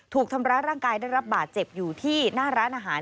ถูกทำร้ายร่างกายได้รับบาดเจ็บอยู่ที่หน้าร้านอาหาร